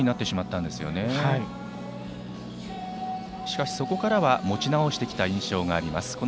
しかし、そこからは持ち直してきた印象があります